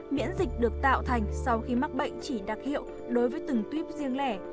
miễn dịch được tạo thành sau khi mắc bệnh chỉ đặc hiệu đối với từng tuyếp riêng lẻ